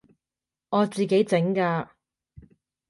我自己整㗎